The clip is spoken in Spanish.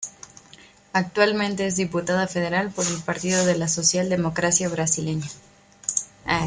Actualmente es diputada federal por el Partido de la Social Democracia Brasileña.